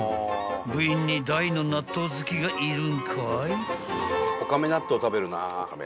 ［部員に大の納豆好きがいるんかい？］